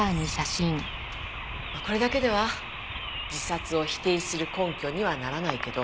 まあこれだけでは自殺を否定する根拠にはならないけど。